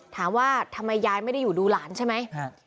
ถามว่าทำไมยายไม่ได้อยู่ดูหลานใช่ไหม